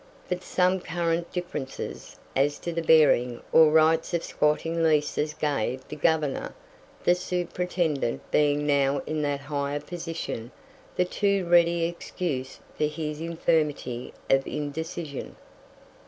But some current differences as to the bearing or rights of squatting leases gave the Governor the Superintendent being now in that higher position the too ready excuse for his infirmity of indecision.